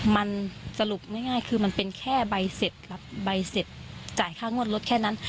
มันสรุปง่ายคือมันเป็นแค่ใบเสร็จรับใบเสร็จจ่ายค่างวดรถแค่นั้น